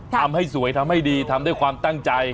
ทำให้สวยทำให้ดีทำด้วยความตั้งใจ